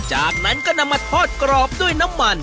จากนั้นก็นำมาทอดกรอบด้วยน้ำมัน